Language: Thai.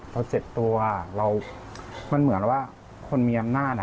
เราเสร็จตัวมันเหมือนว่าคนมีอำนาจ